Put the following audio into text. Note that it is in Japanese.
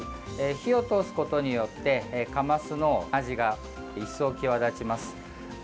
火を通すことによってカマスの味が一層際立ちます。